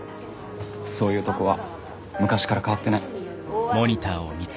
そういうとこは昔から変わってない。